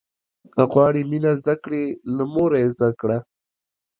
که غواړې مينه زده کړې، له موره يې زده کړه.